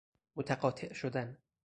متقاطع شدن